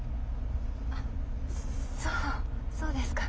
あっそうそうですか。